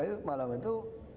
akhir malam itu